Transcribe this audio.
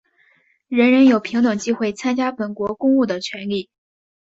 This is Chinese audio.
人人有平等机会参加本国公务的权利。